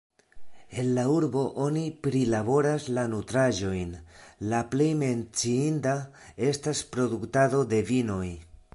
En la urbo oni prilaboras la nutraĵojn, la plej menciinda estas produktado de vinoj.